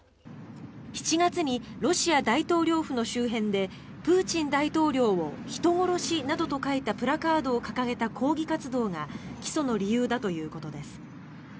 ７月にロシア大統領府の周辺でプーチン大統領を人殺しなどと書いたプラカードを掲げた抗議活動が起訴の理由だということです。